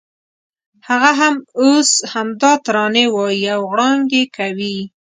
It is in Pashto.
هغه هم اوس همدا ترانې وایي او غړانګې کوي.